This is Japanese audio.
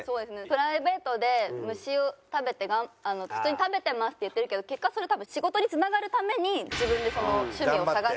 プライベートで虫を食べて食べてますって言ってるけど結果それ多分仕事につながるために自分で趣味を探して。